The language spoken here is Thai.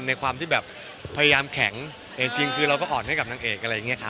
ในความที่แบบพยายามแข็งจริงคือเราก็อ่อนให้กับนางเอกอะไรอย่างนี้ค่ะ